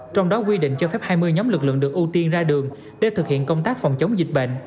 trong đó quy định cho phép hai mươi nhóm lực lượng được ưu tiên ra đường để thực hiện công tác phòng chống dịch bệnh